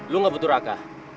lu gak butuh raka